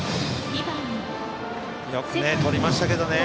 よくとりましたけどね。